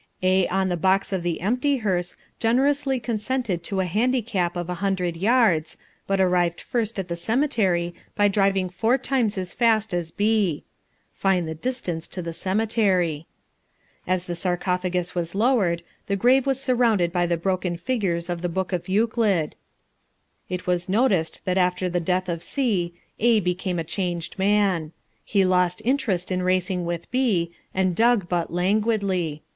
A on the box of the empty hearse generously consented to a handicap of a hundred yards, but arrived first at the cemetery by driving four times as fast as B. (Find the distance to the cemetery.) As the sarcophagus was lowered, the grave was surrounded by the broken figures of the first book of Euclid. It was noticed that after the death of C, A became a changed man. He lost interest in racing with B, and dug but languidly.